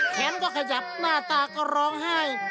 แขนก็ขยับหน้าตาก็ร้องไห้